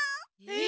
え！